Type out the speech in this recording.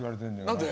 何で？